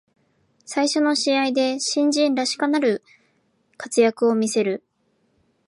最初の試合で新人らしからぬ活躍を見せる